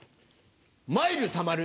マイルたまる。